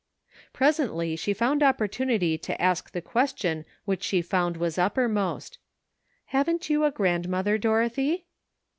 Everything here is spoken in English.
Pi esently she found opportunity to ask the question which she found was uppermost. ''Haven't you a grandmother, Dorothy?"